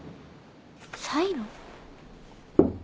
サイロ。